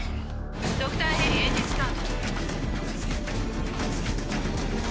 「ドクターヘリエンジンスタート」